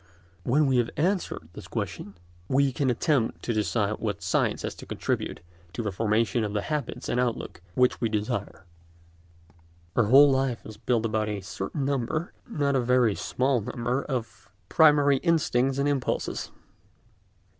When we have answered this question we can attempt to decide what science has to contribute to the formation of the habits and outlook which we desire. Our whole life is built about a certain number—not a very small number—of primary instincts and impulses.